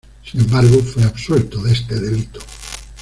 Sin embargo, fue absuelto de este delito.